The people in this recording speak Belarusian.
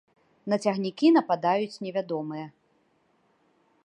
На цягнікі нападаюць невядомыя.